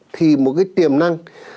thì một cái tiềm năng